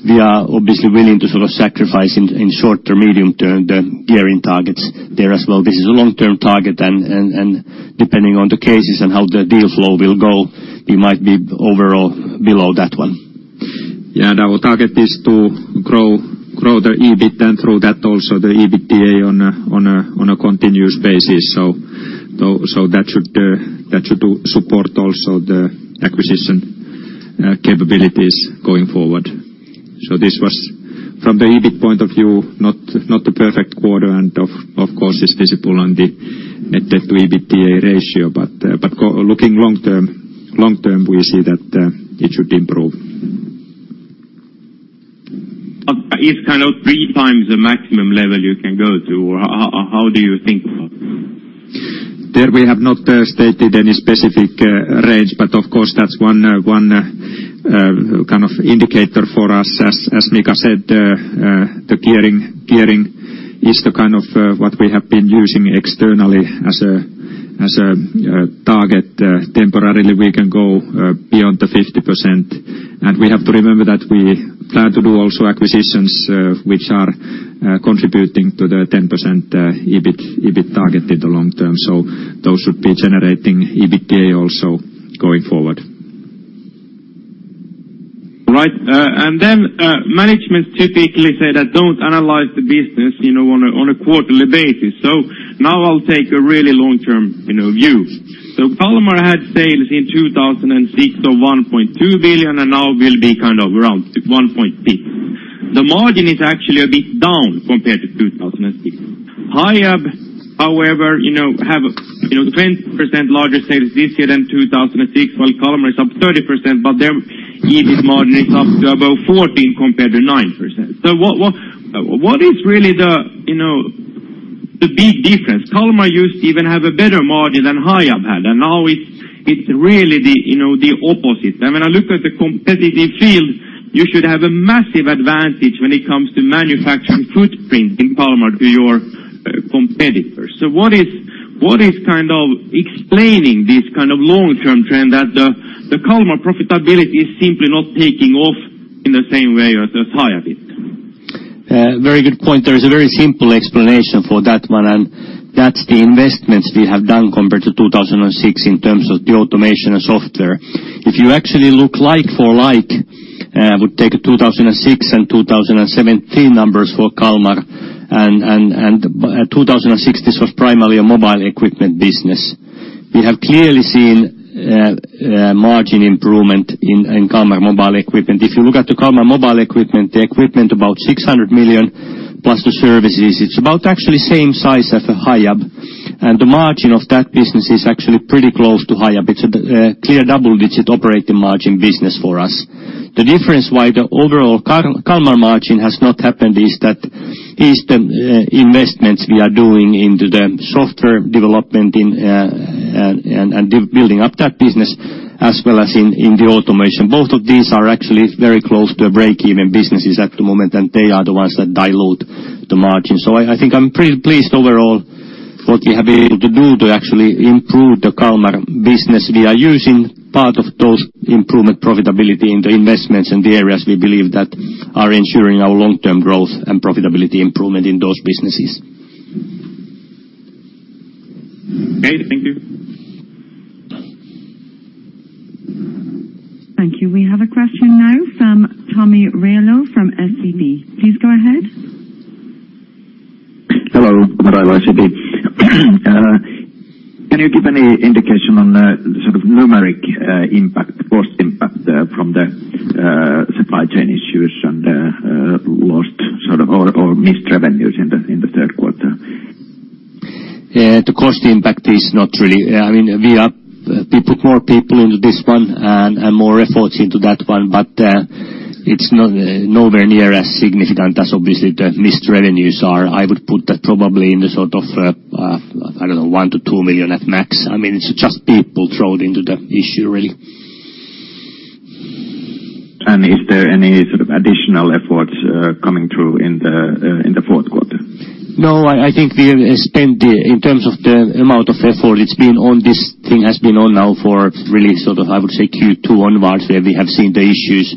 we are obviously willing to sort of sacrifice in short-term, medium-term the gearing targets there as well. This is a long-term target and depending on the cases and how the deal flow will go, we might be overall below that one. Yeah. Our target is to grow the EBIT and through that also the EBITDA on a continuous basis. That should support also the acquisition capabilities going forward. This was from the EBIT point of view, not the perfect quarter and of course, is visible on the net debt to EBITDA ratio. Looking long-term, we see that it should improve. is kind of three times the maximum level you can go to, or how do you think about it? There we have not stated any specific range, but of course, that's one kind of indicator for us. As Mika said, the gearing is the kind of what we have been using externally as a target. Temporarily, we can go beyond the 50%. We have to remember that we plan to do also acquisitions, which are contributing to the 10% EBIT target in the long term. Those should be generating EBITDA also going forward. Right. management typically say that don't analyze the business, you know, on a quarterly basis. Now I'll take a really long-term, you know, view. Kalmar had sales in 2006 of 1.2 billion and now will be kind of around 1.8 billion. The margin is actually a bit down compared to 2006. Hiab, however, you know, have, you know, 20% larger sales this year than 2006, while Kalmar is up 30%, but their EBIT margin is up to about 14% compared to 9%. What is really the, you know, the big difference? Kalmar used to even have a better margin than Hiab had, and now it's really the, you know, the opposite. I mean, I look at the competitive field, you should have a massive advantage when it comes to manufacturing footprint in Kalmar to your competitors. What is kind of explaining this kind of long-term trend that the Kalmar profitability is simply not taking off in the same way as Hiab is? Very good point. There is a very simple explanation for that one. That's the investments we have done compared to 2006 in terms of the automation and software. If you actually look like for like, would take 2006 and 2017 numbers for Kalmar and 2006, this was primarily a mobile equipment business. We have clearly seen margin improvement in Kalmar mobile equipment. If you look at the Kalmar mobile equipment, the equipment about 600 million plus the services, it's about actually same size as a Hiab, and the margin of that business is actually pretty close to Hiab. It's a clear double-digit operating margin business for us. The difference why the overall Kalmar margin has not happened is that, is the investments we are doing into the software development in and building up that business as well as in the automation. Both of these are actually very close to a break-even businesses at the moment, and they are the ones that dilute the margin. I think I'm pretty pleased overall what we have been able to do to actually improve the Kalmar business. We are using part of those improvement profitability in the investments in the areas we believe that are ensuring our long-term growth and profitability improvement in those businesses. Okay. Thank you. Thank you. We have a question now from Tommi Riihimäki from SEB. Please go ahead. Hello. Tommi Riihimäki, SEB. Can you give any indication on the sort of numeric, impact, cost impact, from the supply chain issues and lost sort of or missed revenues in the Q3? Yeah. The cost impact is not really... I mean, we put more people into this one and more efforts into that one, but it's nowhere near as significant as obviously the missed revenues are. I would put that probably in the sort of, I don't know, 1 million-2 million at max. I mean, it's just people thrown into the issue really. Is there any sort of additional efforts, coming through in the, in the Q4? No, I think we have spent in terms of the amount of effort it's been on this thing has been on now for really sort of, I would say, Q2 onwards, where we have seen the issues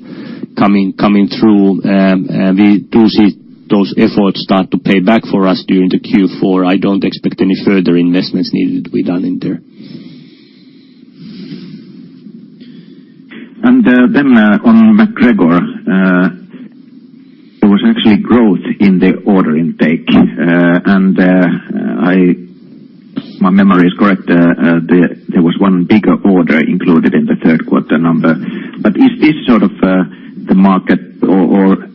coming through. We do see those efforts start to pay back for us during the Q4. I don't expect any further investments needed to be done in there. Then on MacGregor, there was actually growth in the order intake. My memory is correct, there was one bigger order included in the Q3 number. Is this sort of the market or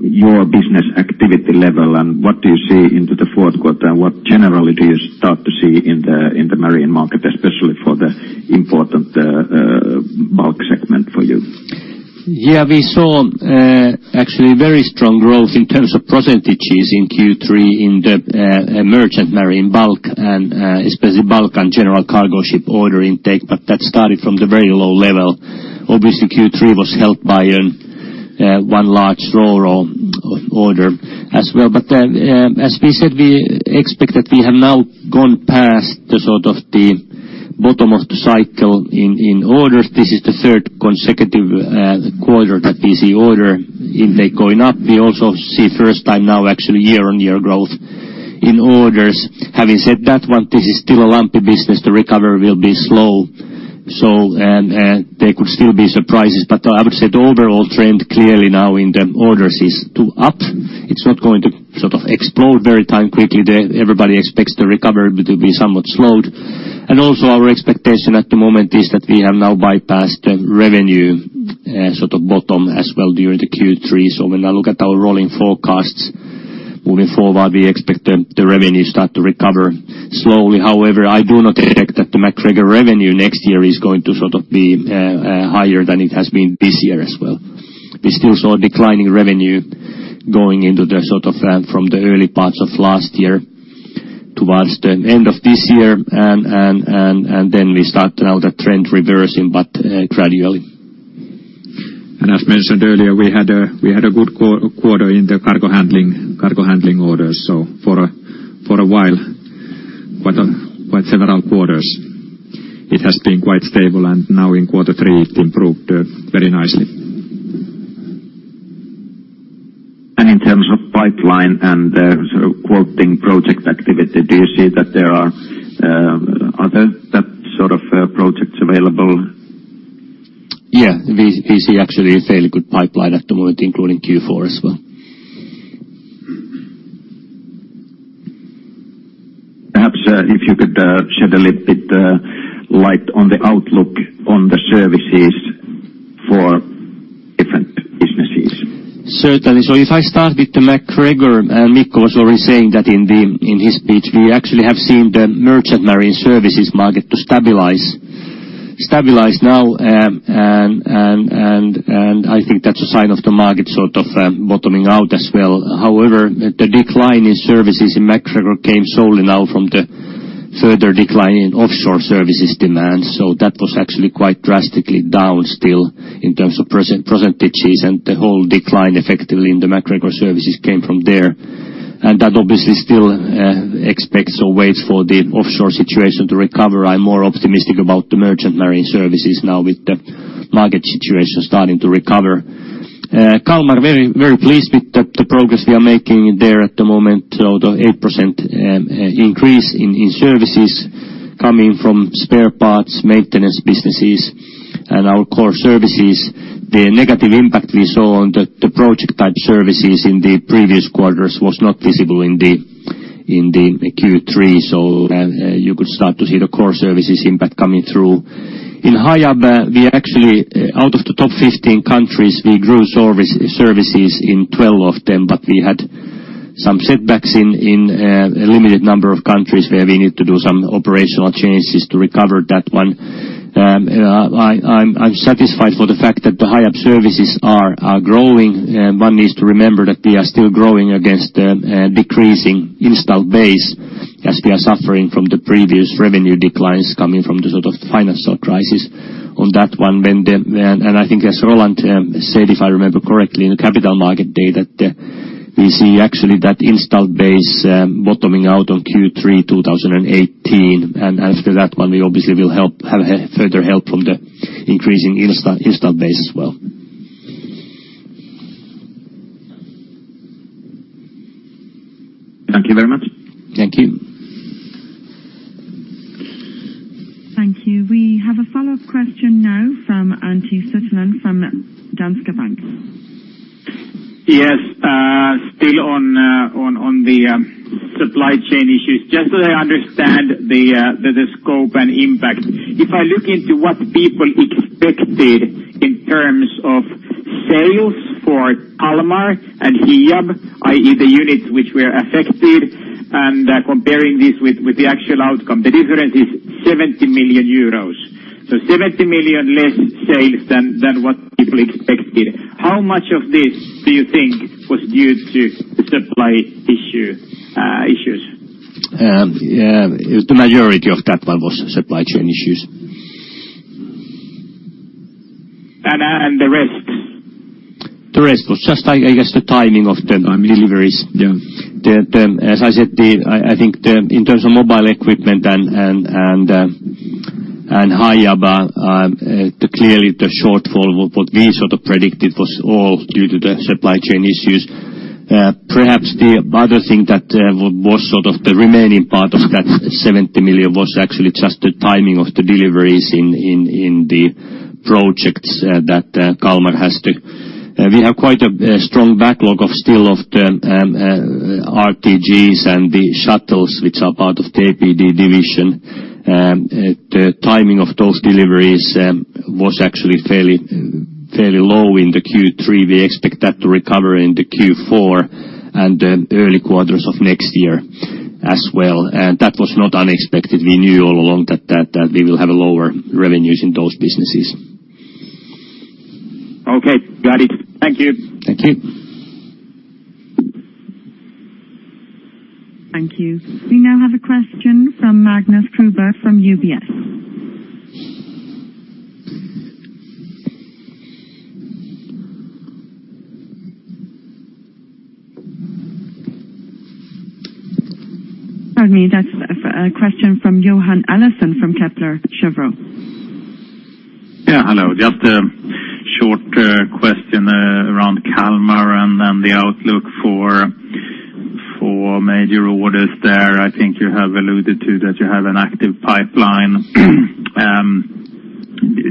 your business activity level, and what do you see into the Q4, and what generally do you start to see in the marine market, especially for the important bulk segment for you? Yeah. We saw actually very strong growth in terms of percentages in Q3 in the merchant marine bulk and especially bulk and general cargo ship order intake. That started from the very low level. Obviously, Q3 was helped by one large ro-ro order as well. As we said, we expect that we have now gone past the sort of the bottom of the cycle in orders. This is the third consecutive quarter that we see order intake going up. We also see first time now actually year-on-year growth in orders. Having said that one, this is still a lumpy business. The recovery will be slow. And there could still be surprises. I would say the overall trend clearly now in the orders is to up. It's not going to sort of explode very time quickly. Everybody expects the recovery to be somewhat slowed. Also our expectation at the moment is that we have now bypassed the revenue, sort of bottom as well during the Q3. When I look at our rolling forecasts moving forward, we expect the revenue start to recover slowly. However, I do not expect that the MacGregor revenue next year is going to sort of be higher than it has been this year as well. We still saw declining revenue going into the sort of from the early parts of last year towards the end of this year. Then we start now the trend reversing, but gradually. As mentioned earlier, we had a good quarter in the cargo handling orders. For a while, quite several quarters, it has been quite stable, and now in Q3 it improved very nicely. In terms of pipeline and the sort of quoting project activity, do you see that there are other that sort of projects available? Yeah. We see actually a fairly good pipeline at the moment, including Q4 as well. Perhaps, if you could shed a little bit light on the outlook on the services for different businesses. Certainly. If I start with the MacGregor, Mikko was already saying that in his speech, we actually have seen the merchant marine services market to stabilize now. And I think that's a sign of the market sort of bottoming out as well. However, the decline in services in MacGregor came solely now from the further decline in offshore services demand. That was actually quite drastically down still in terms of percentages, and the whole decline effectively in the MacGregor services came from there. That obviously still expects or waits for the offshore situation to recover. I'm more optimistic about the merchant marine services now with the market situation starting to recover. Kalmar, very pleased with the progress we are making there at the moment. The 8% increase in services coming from spare parts, maintenance businesses, and our core services. The negative impact we saw on the project-type services in the previous quarters was not visible in the Q3, you could start to see the core services impact coming through. In Hiab, we are actually out of the top 15 countries, we grew services in 12 of them, but we had some setbacks in a limited number of countries where we need to do some operational changes to recover that one. I'm satisfied for the fact that the Hiab services are growing. One needs to remember that we are still growing against the decreasing installed base as we are suffering from the previous revenue declines coming from the sort of financial crisis on that one. I think as Roland said, if I remember correctly in the capital market day that we see actually that installed base bottoming out on Q3, 2018. After that one we obviously will help have a further help from the increasing installed base as well. Thank you very much. Thank you. Thank you. We have a follow-up question now from Antti Kettunen from Danske Bank. Yes. still on the supply chain issues. Just so that I understand the scope and impact. If I look into what people expected in terms of sales for Kalmar and Hiab, i.e., the units which were affected, and comparing this with the actual outcome, the difference is 70 million euros. 70 million less sales than what people expected. How much of this do you think was due to supply issue, issues? Yeah, the majority of that one was supply chain issues. The rest? The rest was just I guess, the timing of the deliveries. Yeah. As I said, I think the in terms of mobile equipment and Hiab, clearly the shortfall of what we sort of predicted was all due to the supply chain issues. Perhaps the other thing that was sort of the remaining part of that 70 million was actually just the timing of the deliveries in the projects that Kalmar has to. We have quite a strong backlog of still of the RTGs and the shuttles which are part of the APD division. The timing of those deliveries was actually fairly low in the Q3. We expect that to recover in the Q4 and the early quarters of next year as well. That was not unexpected. We knew all along that we will have lower revenues in those businesses. Okay. Got it. Thank you. Thank you. Thank you. We now have a question from Magnus Kruber from UBS. Pardon me, that's a question from Johan Eliason from Kepler Cheuvreux. Yeah. Hello. Just a short question around Kalmar and then the outlook for major orders there. I think you have alluded to that you have an active pipeline.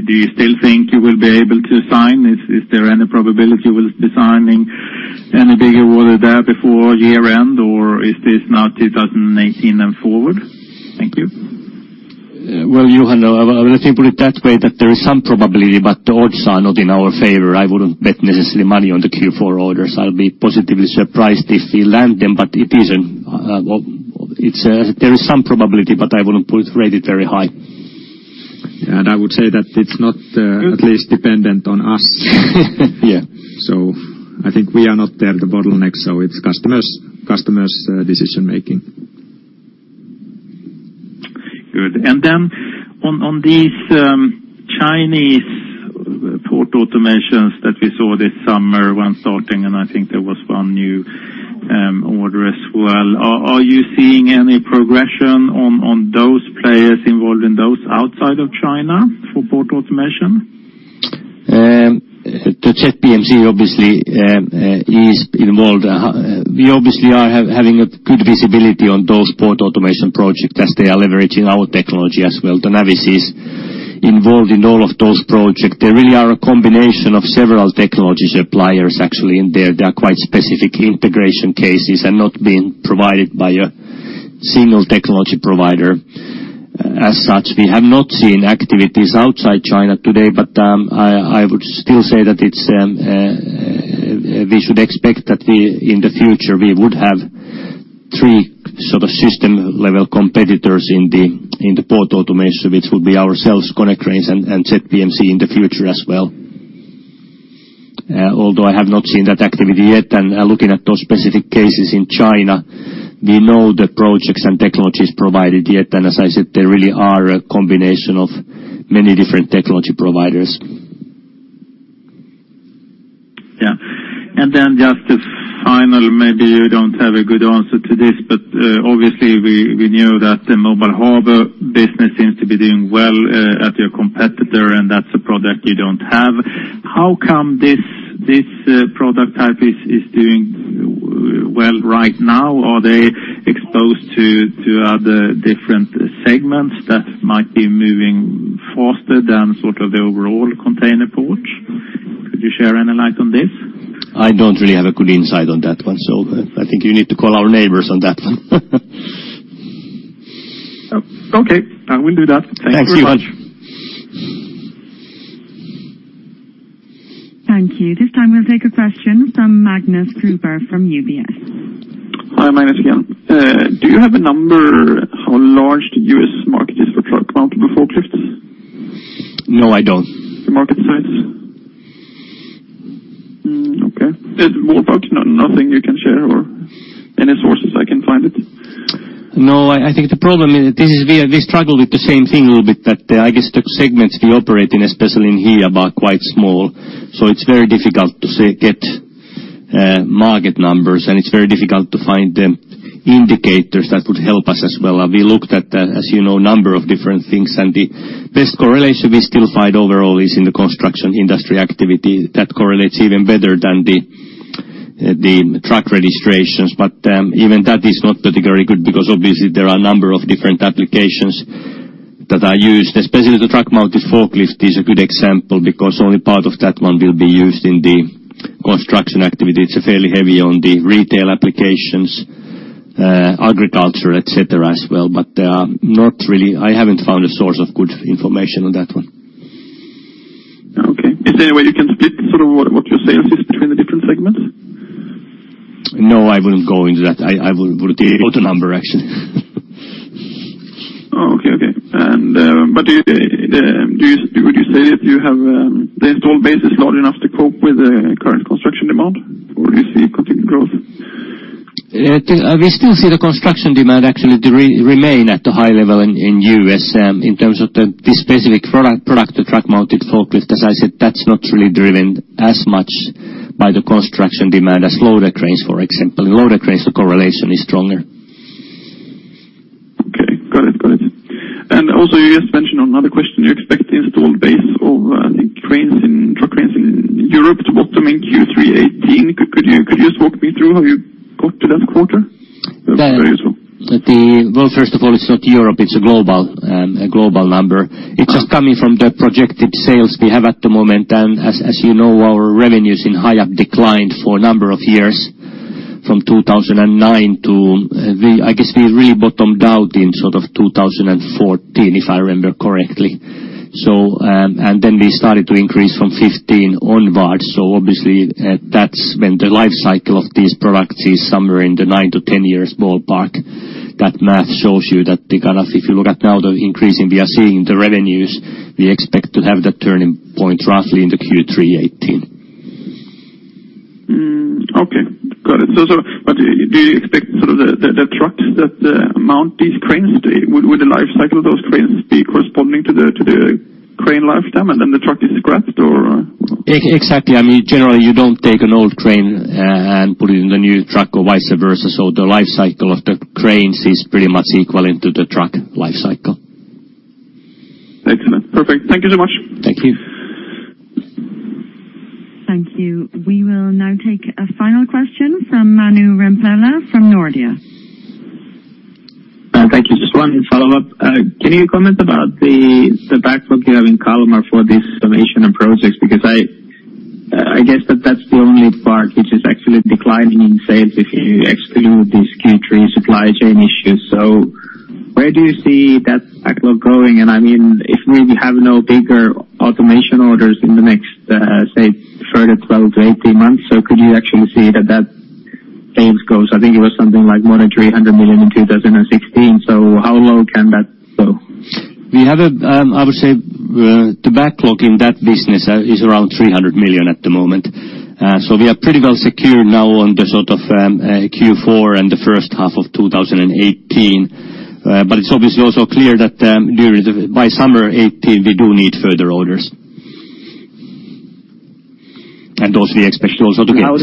Do you still think you will be able to sign? Is there any probability you will be signing any bigger order there before year-end, or is this now 2018 and forward? Thank you. Well, Johan, let me put it that way, that there is some probability, but the odds are not in our favor. I wouldn't bet necessarily money on the Q4 orders. I'll be positively surprised if we land them, but it isn't, well, it's, there is some probability, but I wouldn't put rate it very high. I would say that it's not, at least dependent on us. Yeah. I think we are not there the bottleneck, so it's customers decision-making. Good. On these, Chinese port automations that we saw this summer one starting, and I think there was one new order as well. Are you seeing any progression on those players involved in those outside of China for port automation? The ZPMC obviously is involved. We obviously are having a good visibility on those port automation project as they are leveraging our technology as well. The Navis is involved in all of those projects. They really are a combination of several technologies suppliers actually in there. They are quite specific integration cases and not being provided by a single technology provider. As such, we have not seen activities outside China today, but I would still say that it's we should expect that we in the future, we would have three sort of system-level competitors in the, in the port automation, which would be ourselves, Konecranes, and ZPMC in the future as well. Although I have not seen that activity yet. Looking at those specific cases in China, we know the projects and technologies provided yet, and as I said, they really are a combination of many different technology providers. Yeah. Just a final, maybe you don't have a good answer to this, obviously we knew that the Mobile Harbor business seems to be doing well at your competitor, and that's a product you don't have. How come this product type is doing well right now? Are they exposed to other different segments that might be moving faster than sort of the overall container ports? Could you share any light on this? I don't really have a good insight on that one, so I think you need to call our neighbors on that one. Okay, I will do that. Thank you very much. Thanks, Johan. Thank you. This time, we'll take a question from Magnus Kruber from UBS. Hi, Magnus again. Do you have a number how large the U.S. market is for truck-mountable forklifts? No, I don't. The market size? Okay. There's ballpark, no-nothing you can share or any sources I can find it? No, I think the problem is this is we struggle with the same thing a little bit that the, I guess, the segments we operate in, especially in here, are quite small. It's very difficult to get market numbers, and it's very difficult to find the indicators that would help us as well. We looked at, as you know, a number of different things, and the best correlation we still find overall is in the construction industry activity that correlates even better than the truck registrations. Even that is not particularly good because obviously there are a number of different applications that are used. Especially the truck mounted forklift is a good example because only part of that one will be used in the construction activity. It's fairly heavy on the retail applications, agriculture, et cetera, as well. But there are not really... I haven't found a source of good information on that one. Okay. Is there any way you can split sort of what your sales is between the different segments? No, I wouldn't go into that. I would give you the total number, actually. Okay, okay. Would you say that you have the installed base is large enough to cope with the current construction demand or do you see continued growth? We still see the construction demand actually to remain at the high level in the U.S. In terms of this specific product, the truck mounted forklift, as I said, that's not really driven as much by the construction demand as loader cranes, for example. In loader cranes, the correlation is stronger. Okay. Got it. Also, you just mentioned on another question, you expect the installed base of the truck cranes in Europe to bottom in Q3 2018. Could you just walk me through how you got to that quarter? That's very useful. Well, first of all, it's not Europe, it's a global, a global number. Uh- It's just coming from the projected sales we have at the moment. You know, our revenues in Hiab declined for a number of years, from 2009 to. I guess we really bottomed out in sort of 2014, if I remember correctly. We started to increase from 2015 onwards. That's when the life cycle of these products is somewhere in the nine to 10 years ballpark. That math shows you that they kind of. If you look at now the increase we are seeing the revenues, we expect to have that turning point roughly in the Q3 2018. Okay. Got it. Would the life cycle of those cranes be corresponding to the crane lifetime and then the truck is scrapped or? Exactly. I mean, generally you don't take an old crane and put it in the new truck or vice versa. The life cycle of the cranes is pretty much equivalent to the truck life cycle. Excellent. Perfect. Thank you so much. Thank you. Thank you. We will now take a final question from Manu Rimpelä from Nordea. Thank you. Just one follow-up. Can you comment about the backlog you have in Kalmar for this automation and projects? Because I guess that that's the only part which is actually declining in sales if you exclude these Q3 supply chain issues. Where do you see that backlog going? I mean, if we have no bigger automation orders in the next, say further 12-18 months, so could you actually see that that sales goes... I think it was something like more than 300 million in 2016. How low can that go? We have a, I would say, the backlog in that business is around 300 million at the moment. We are pretty well secured now on the sort of Q4 and the first half of 2018. It's obviously also clear that during the by summer 2018, we do need further orders. Those we expect also to get. How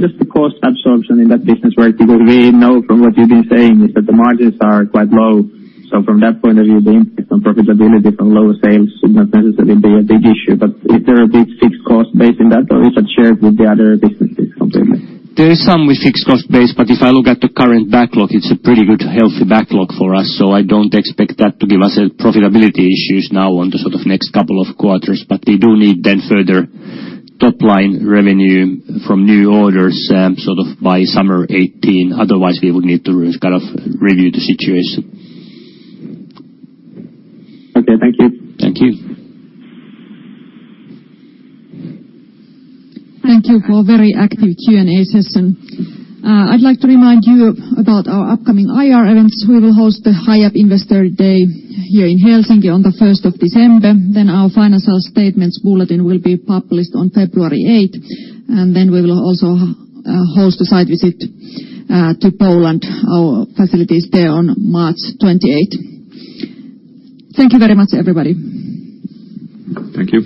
does the cost absorption in that business work? We know from what you've been saying is that the margins are quite low. From that point of view, the impact on profitability from lower sales should not necessarily be a big issue. Is there a big fixed cost base in that or is that shared with the other businesses completely? There is some with fixed cost base, but if I look at the current backlog, it's a pretty good healthy backlog for us. I don't expect that to give us profitability issues now on the sort of next couple of quarters. We do need then further top line revenue from new orders, sort of by summer 2018. Otherwise we would need to kind of review the situation. Okay. Thank you. Thank you. Thank you for a very active Q&A session. I'd like to remind you about our upcoming IR events. We will host the Hiab Investor Day here in Helsinki on the first of December. Our financial statements bulletin will be published on February 8, we will also host a site visit to Poland, our facilities there on March 28. Thank you very much, everybody. Thank you.